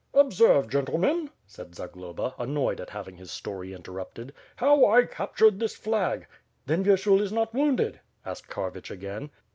"Observe, gentlemen," said Zagloba, annoyed at having his story interrupted, "how I captured this flag. ..." "Then Vyershul is not wounded," asked Karvich again.